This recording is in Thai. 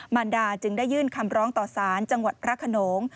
รดาจึงได้ยื่นคำร้องต่อสารจังหวัดพระขนง